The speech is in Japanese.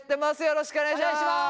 よろしくお願いします。